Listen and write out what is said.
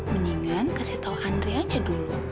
mendingan kasih tahu andrei aja dulu